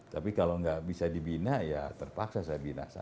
tapi kalau enggak bisa dibina ya terpaksa saya bina